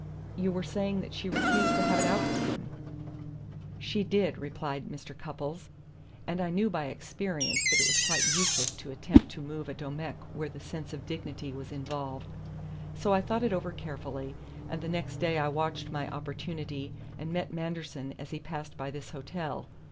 "You were saying that she refused to have it out with him." "She did," replied Mr. Cupples. "And I knew by experience that it was quite useless to attempt to move a Domecq where the sense of dignity was involved. So I thought it over carefully, and next day I watched my opportunity and met Manderson as he passed by this hotel.